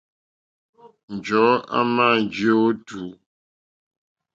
Njɔ̀ɔ́ àmà njíyá ó tùú.